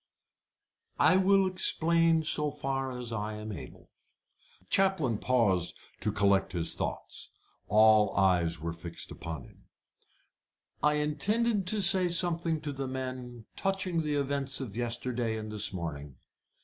"I will explain so far as I am able." The chaplain paused to collect his thoughts. All eyes were fixed upon him. "I intended to say something to the men touching the events of yesterday and this morning.